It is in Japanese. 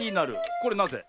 これなぜ？